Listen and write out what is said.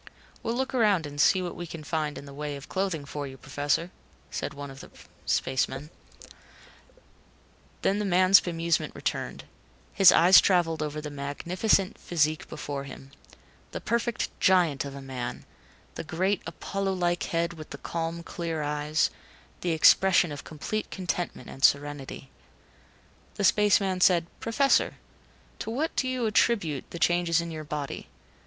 "We'll look around and see what we can find in the way of clothing for you, Professor," one of the spacemen said. Then the man's bemusement returned. His eyes traveled over the magnificent physique before him. The perfect giant of a man; the great, Apollo like head with the calm, clear eyes; the expression of complete contentment and serenity. The space man said, "Professor to what do you attribute the changes in your body.